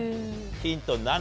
ヒント７。